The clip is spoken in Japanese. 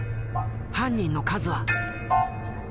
犯人の数は？